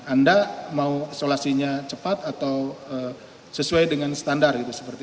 anda mau isolasinya cepat atau sesuai dengan standar gitu